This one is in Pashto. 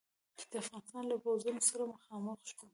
چې د افغانستان له پوځونو سره مخامخ شو.